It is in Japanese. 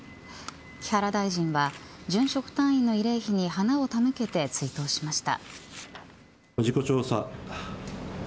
木原大臣は殉職隊員の慰霊碑に花を手向けて追悼しました。